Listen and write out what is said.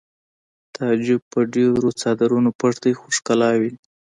تعجب په ډېرو څادرونو پټ دی خو ښکلا ویني